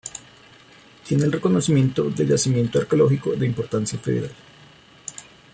Tiene el reconocimiento de yacimiento arqueológico de importancia federal.